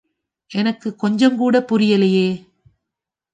எனக்குக் கொஞ்சங்கூடப் புரியலியே.